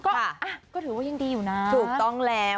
ก็ถือว่ายังดีอยู่นะ